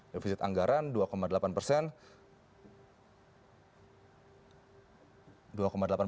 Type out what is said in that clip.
defisit anggaran dua delapan persen